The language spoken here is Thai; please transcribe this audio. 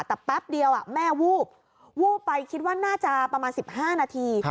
แต่แป๊บเดียวแม่วูบวูบไปคิดว่าน่าจะประมาณ๑๕นาที